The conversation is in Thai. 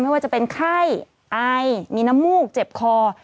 ไม่ว่าจะเป็นไข้ไอมีน้ำมูกเจ็บคอ